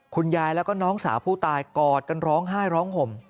คุณยายแล้วก็น้องสาวผู้ตายกอดกันร้องไห้ร้องห่ม